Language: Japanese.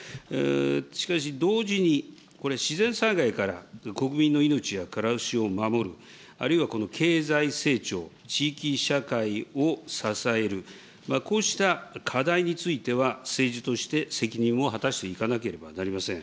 しかし同時にこれ、自然災害から国民の命や暮らしを守る、あるいは経済成長、地域社会を支える、こうした課題については、政治として責任を果たしていかなければなりません。